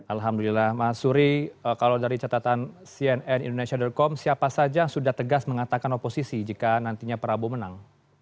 alhamdulillah mas suri kalau dari catatan cnn indonesia com siapa saja yang sudah tegas mengatakan oposisi jika nantinya prabowo menang